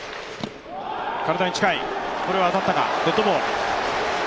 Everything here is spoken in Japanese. これは当たったか、デッドボール。